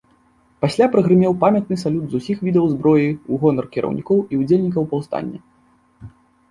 Пасля прагрымеў памятны салют з усіх відаў зброі у гонар кіраўнікоў і ўдзельнікаў паўстання.